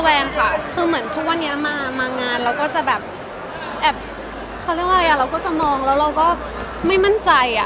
แวงค่ะคือเหมือนทุกวันนี้มางานเราก็จะแบบแอบเขาเรียกว่าเราก็จะมองแล้วเราก็ไม่มั่นใจอ่ะ